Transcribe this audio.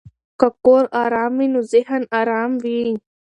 که کور آرام وي نو ذهن آرام وي.